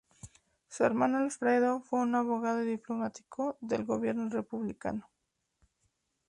Su hermano Alfredo fue un abogado y diplomático del gobierno republicano.